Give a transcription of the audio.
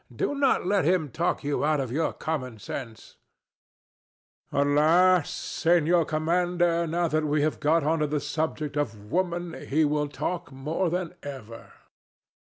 Do not let him talk you out of your common sense. THE DEVIL. Alas! Senor Commander, now that we have got on to the subject of Woman, he will talk more than ever.